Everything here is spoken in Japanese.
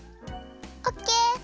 オッケー！